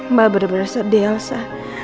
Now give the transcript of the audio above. mbak benar benar sadar elsa